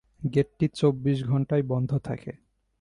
গেটটি চব্বিশ ঘণ্টাই বন্ধ থাকে।